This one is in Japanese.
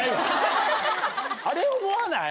あれ思わない？